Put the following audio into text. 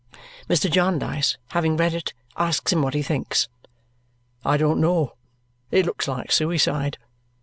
Mr. Jarndyce, having read it, asks him what he thinks. "I don't know. It looks like suicide.